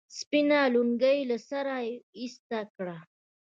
سپينه لونگۍ يې له سره ايسته کړه.